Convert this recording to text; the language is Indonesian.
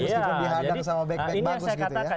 meskipun dihadang sama backpack bagus gitu ya